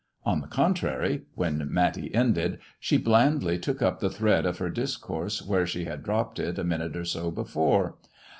On the contrary, when Matty ended, she blandly took up the thread of her discourse where she had dropped it a minute or so before.